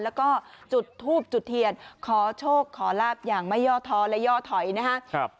แล้วก็จุดทูบจุดเทียนขอโชคขอลาบอย่างไม่ย่อท้อและย่อถอยนะครับ